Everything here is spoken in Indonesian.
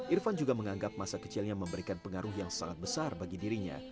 irfan juga menganggap masa kecilnya memberikan pengaruh yang sangat besar bagi dirinya